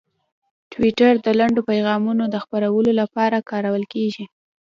ټویټر د لنډو پیغامونو د خپرولو لپاره کارول کېږي.